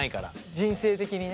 人生的にね。